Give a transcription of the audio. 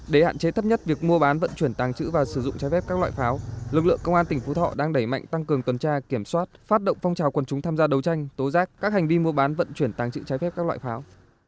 để hạn chế thấp nhất việc mua bán vận chuyển tàng trữ và sử dụng trái phép các loại pháo lực lượng công an tỉnh phú thọ đang đẩy mạnh tăng cường tuần tra kiểm soát phát động phong trào quần chúng tham gia đấu tranh tố giác các hành vi mua bán vận chuyển tàng trữ trái phép các loại pháo